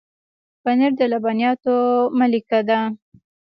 پنېر د لبنیاتو ملکه ده.